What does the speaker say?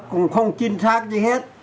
cũng không chính xác gì hết